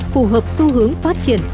phù hợp xu hướng phát triển